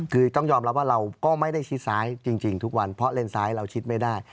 คือต้องยอมรับว่าเราก็ไม่ได้ชิดซ้ายจริงทุกวันเพราะเลนซ้ายเราชิดไม่ได้